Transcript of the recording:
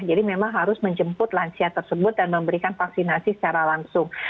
jadi memang harus menjemput lansia tersebut dan memberikan vaksinasi secara langsung